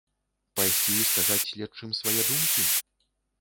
Пайсці і сказаць следчым свае думкі?